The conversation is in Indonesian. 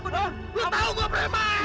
lu tau gua bremen